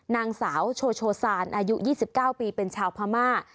นางสาวโชโชซานอายุ๒๙ปีเป็นชาวพม่า